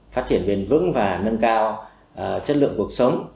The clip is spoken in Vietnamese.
phát triển bền vững và nâng cao chất lượng cuộc sống